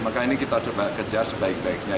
maka ini kita coba kejar sebaik baiknya